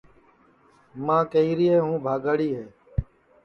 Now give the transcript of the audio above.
ماں کہیری ہے ہوں بھاگاڑی ہے